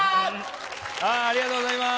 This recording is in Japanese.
ありがとうございます。